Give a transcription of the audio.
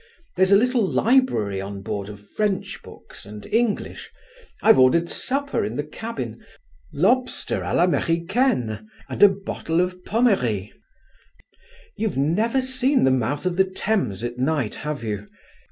There's a little library on board of French books and English; I've ordered supper in the cabin lobster à l'Americaine and a bottle of Pommery. You've never seen the mouth of the Thames at night, have you?